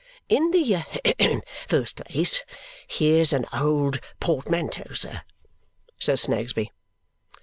"In the first place, here's an old portmanteau, sir," says Snagsby.